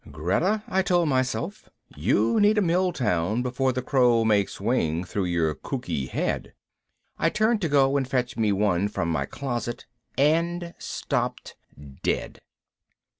Greta, I told myself, you need a miltown before the crow makes wing through your kooky head. I turned to go and fetch me one from my closet. And stopped dead.